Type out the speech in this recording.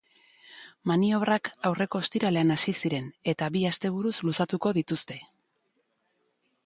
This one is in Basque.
Maniobrak aurreko ostiralean hasi ziren eta bi asteburuz luzatuko dituzte.